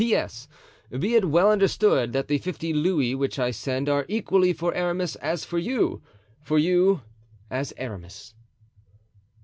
"P.S.—Be it well understood that the fifty louis which I send are equally for Aramis as for you—for you as Aramis."